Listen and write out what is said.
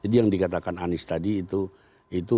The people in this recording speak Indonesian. jadi yang dikatakan anies tadi itu